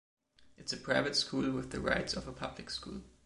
It’s a private school with the rights of a public school.